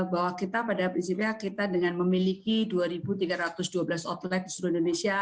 bahwa kita pada prinsipnya kita dengan memiliki dua tiga ratus dua belas outlet di seluruh indonesia